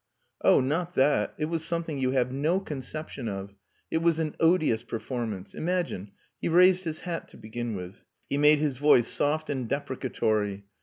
"Oh, not that! It was something you have no conception of. It was an odious performance. Imagine, he raised his hat to begin with. He made his voice soft and deprecatory.